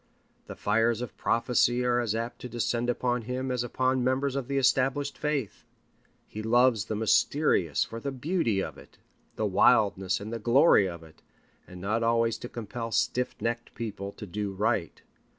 The fires of prophecy are as apt to descend upon him as upon members of the established faith. He loves the mysterious for the beauty of it, the wildness and the glory of it, and not always to compel stiff necked people to do right.